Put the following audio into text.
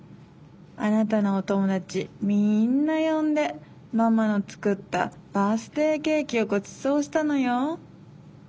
あなたのおともだちみんなよんでママのつくったバースデーケーキをごちそうしたのよ。